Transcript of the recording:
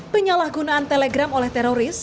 penyalahgunaan telegram oleh teroris